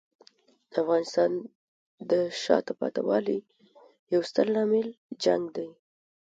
د افغانستان د شاته پاتې والي یو ستر عامل جنګ دی.